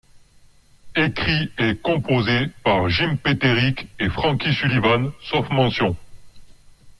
Écrits et composés par Jim Peterik et Frankie Sullivan sauf mention.